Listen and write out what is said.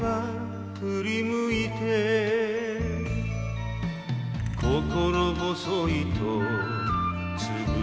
振り向いて」「“心細い”とつぶやいた」